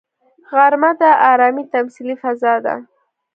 غرمه د ارامي تمثیلي فضا ده